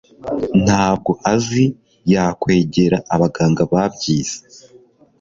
ntabyo azi yakwegera abaganga babyize